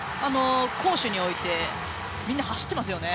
攻守においてみんな走ってますよね。